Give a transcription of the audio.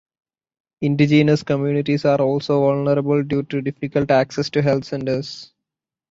Indigenous communities are also vulnerable due to difficult access to health centers.